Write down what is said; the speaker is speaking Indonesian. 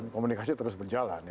komunikasi terus berjalan